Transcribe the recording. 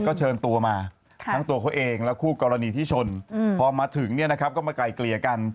ก็เชิญตัวมาทั้งตัวเขาเองและคู่กรณีที่ชนพอมาถึงเนี่ยนะครับก็มาไกลเกลี่ยกัน